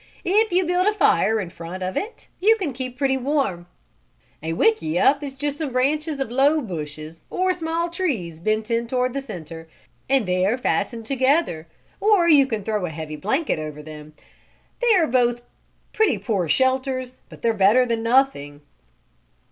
If you build a fire in front of it you can keep pretty warm. A wickiup is just some branches of low bushes or small trees bent in toward the center, and there fastened together, or you can throw a heavy blanket over them. They are both pretty poor shelters, but they're better than nothing."